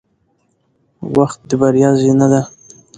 • وخت د بریا زینه ده.